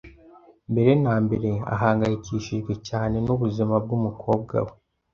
Mbere na mbere, ahangayikishijwe cyane. n'ubuzima bw'umukobwa we .